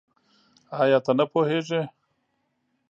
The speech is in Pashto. آيا ته نه پوهېږې؟